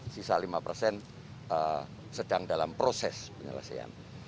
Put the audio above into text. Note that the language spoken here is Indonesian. sisa lima persen sedang dalam proses penyelesaian